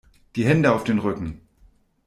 Die Hände auf den Rücken!